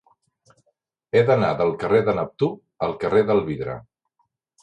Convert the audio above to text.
He d'anar del carrer de Neptú al carrer del Vidre.